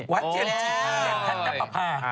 วัฒน์จริงอย่างท่านนักประภา